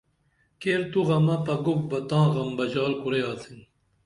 کیر تو غمہ پگُپ بہ تاں غم بژال کُرئی آڅن